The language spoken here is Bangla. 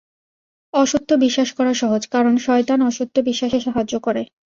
অসত্য বিশ্বাস করা সহজ, কারণ শয়তান অসত্য বিশ্বাসে সাহায্য করে।